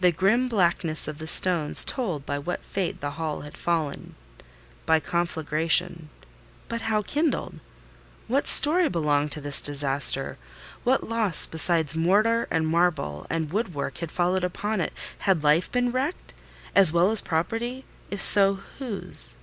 The grim blackness of the stones told by what fate the Hall had fallen—by conflagration: but how kindled? What story belonged to this disaster? What loss, besides mortar and marble and wood work had followed upon it? Had life been wrecked as well as property? If so, whose?